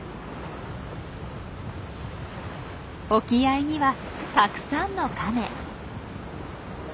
沖合にはたくさんのカメ。